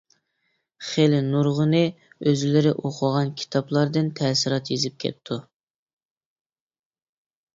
خېلى نۇرغۇنى ئۆزلىرى ئوقۇغان كىتابلاردىن تەسىرات يېزىپ كەپتۇ.